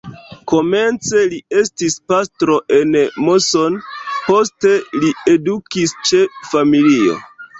Komence li estis pastro en Moson, poste li edukis ĉe familio.